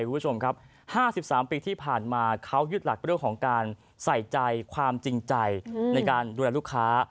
คุณผู้ชมครับ๕๓ปีที่ผ่านมาเขายึดหลักเรื่องของการใส่ใจความจริงใจในการดูแลลูกค้า